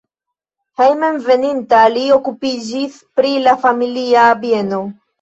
Hejmenveninta li okupiĝis pri la familia bieno.